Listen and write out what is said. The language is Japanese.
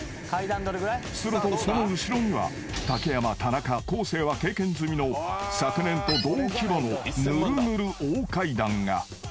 ［するとその後ろには竹山田中昴生は経験済みの昨年と同規模のヌルヌル大階段が］